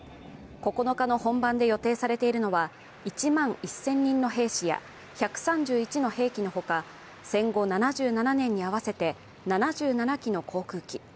９日の本番で予定されているのは、１万１０００人の兵士や１３１の兵器のほか戦後７７年に合わせて７７機の航空機。